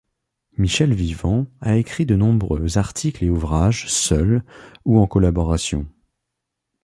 Michel Vivant a écrit de nombreux, articles et ouvrages, seul, ou en collaboration.